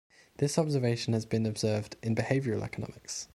This observation has been observed in behavioral economics.